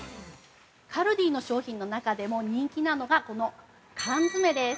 ◆カルディの商品の中でも人気なのが、この缶詰です。